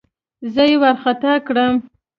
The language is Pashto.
زه يې وارخطا کړم.